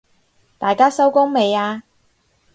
大家收工未啊？